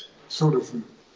そうです。